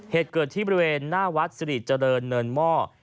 เหตุเกิดที่บริเวณหน้าวัดสิริเจริญเนินหม้อ